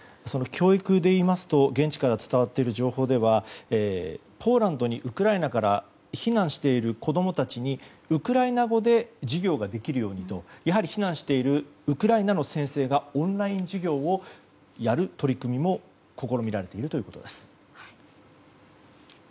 その教育で言いますと現地から伝わっている情報だとポーランドにウクライナから避難している子供たちにウクライナ語で授業ができるようにとやはり避難しているウクライナの先生がオンライン授業をやる取り組みも試みられているということです。